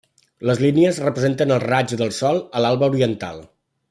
Les línies representen els raigs del sol a l'alba oriental.